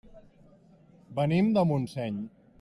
Venim de Montseny.